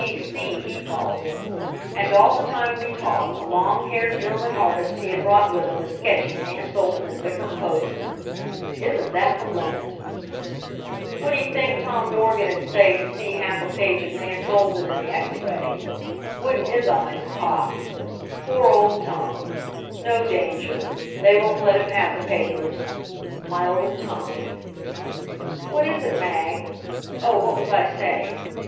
P. C. C., he calls it. And all the time we talked a long haired German artist he had brought with him was sketching Nance Olden in different poses. Isn't that the limit? What d'ye think Tom Dorgan'd say to see half a page of Nancy Olden in the X Ray? Wouldn't his eyes pop? Poor old Tom! ... No danger they won't let him have the papers.... My old Tommy! What is it, Mag? Oh, what was I saying?